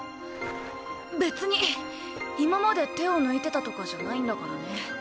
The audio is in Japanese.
別に今まで手を抜いてたとかじゃないんだからね。